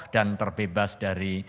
dan terbebas dari